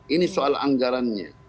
ini soal anggarannya